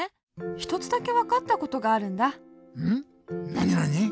なになに？